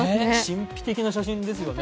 神秘的な写真ですよね。